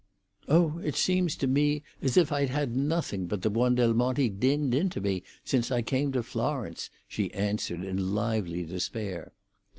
"Oh, it seems to me as if I'd had nothing but the Buondelmonti dinned into me since I came to Florence!" she answered in lively despair.